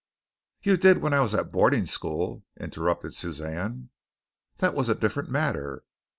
"You did when I was at boarding school," interrupted Suzanne. "That was a different matter.